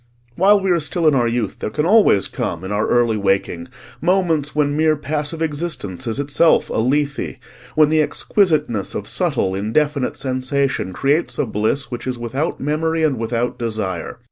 While we are still in our youth there can always come, in our early waking, moments when mere passive existence is itself a Lethe, when the exquisiteness of subtle indefinite sensation creates a bliss which is without memory and without desire.